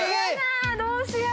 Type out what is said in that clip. どうしよう！